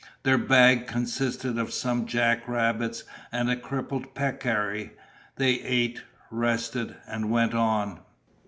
Their bag consisted of some jack rabbits and a crippled peccary. They ate, rested, and went on.